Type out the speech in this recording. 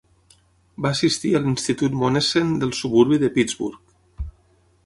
Va assistir a l'Institut Monessen del suburbi de Pittsburgh.